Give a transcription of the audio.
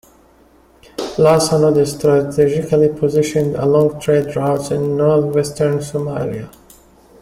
Las Anod is strategically positioned along trade routes in northwestern Somalia.